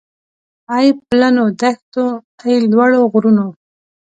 اې پلنو دښتو اې لوړو غرونو